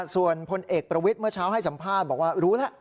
ส่วนพลเอกประวิตเมื่อเช้าให้สัมภาพบอกว่ารู้นะ